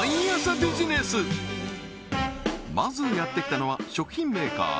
まずやって来たのは食品メーカー